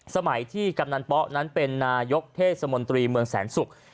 สมัยที่กำนันป๊ะนั้นเป็นนายกเทศมนตรีเมืองแสนศุกร์